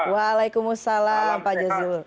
waalaikumsalam pak jazilul